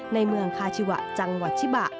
ในเมืองคาชิวะจังหวัดชิบะ